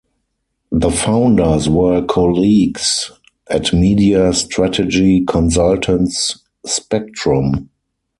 The founders were colleagues at media strategy consultants Spectrum.